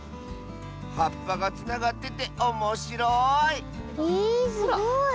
はっぱがつながってておもしろいえすごい。